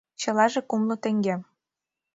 Чылаже кумло теҥге.